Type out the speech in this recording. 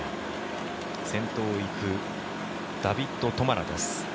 先頭を行くダビッド・トマラです。